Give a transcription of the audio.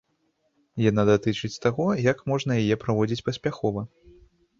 Яна датычыць таго, як можна яе праводзіць паспяхова.